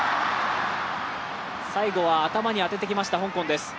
最後は頭に当ててきました香港です。